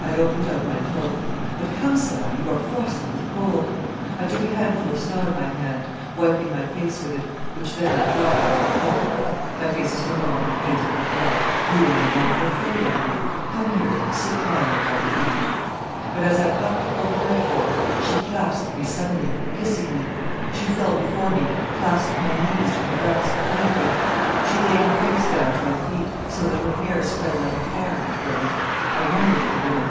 "I opened out my cloak. "'But come,' said I, 'you are frosted with cold.' "I took a handful of snow in my hand, wiping my face with it, which then I dried on my cloak. "'My face is no longer painted with blood, you are no longer afraid of me. Come here then, sit by me while we eat.' "But as I cut the cold bread for her, she clasped me suddenly, kissing me. She fell before me, clasped my knees to her breast, weeping. She laid her face down to my feet, so that her hair spread like a fire before me. I wondered at the woman.